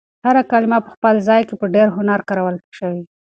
هر کلمه په خپل ځای کې په ډېر هنر کارول شوې.